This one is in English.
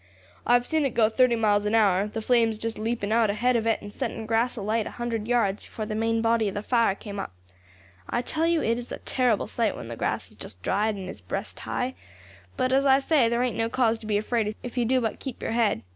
I have seen it go thirty miles an hour, the flames just leaping out ahead of it and setting grass alight a hundred yards before the main body of the fire came up. I tell you it is a terrible sight when the grass has just dried, and is breast high; but, as I say, there ain't no cause to be afraid if you do but keep your head.